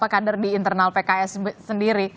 kader di internal pks sendiri